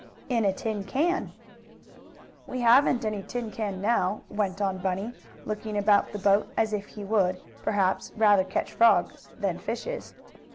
"In a tin can." "We haven't any tin can now," went on Bunny, looking about the boat, as if he would, perhaps, rather catch frogs than fishes.